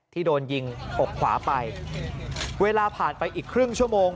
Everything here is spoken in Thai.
ที่โดนยิงอกขวาไปเวลาผ่านไปอีกครึ่งชั่วโมง